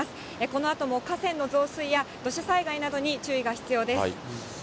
このあとも河川の増水や土砂災害などに注意が必要です。